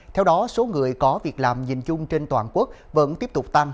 theo đó số người có việc làm nhìn chung trên toàn quốc vẫn tiếp tục tăng